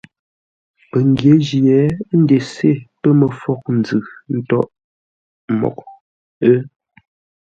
Pəngyě jye, ə́ ndesé pə́ məfwóghʼ nzʉ̂ ńtôghʼ mǒghʼ ə́.